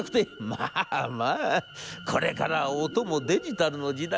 『まあまあこれからは音もデジタルの時代。